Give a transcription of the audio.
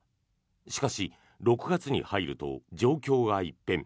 しかし、６月に入ると状況が一変。